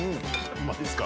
うまいですか？